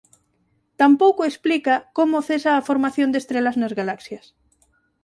Tampouco explica como cesa a formación de estrelas nas galaxias.